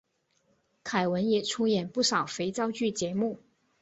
凯文也出演不少肥皂剧节目。